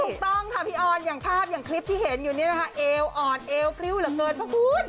ถูกต้องค่ะพี่ออนอย่างภาพอย่างคลิปที่เห็นอยู่นี่นะคะเอวอ่อนเอวพริ้วเหลือเกินพระคุณ